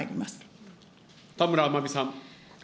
田村まみさん。